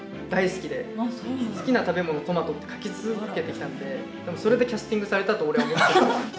好きな食べ物、トマトって書き続けてきたんで、それでキャスティングされたと俺は思っています。